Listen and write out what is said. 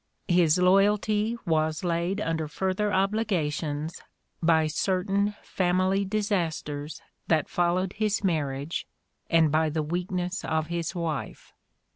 His loyalty was laid under further obligations by certain family disas ters that followed his marriage and by the weakness of his wife.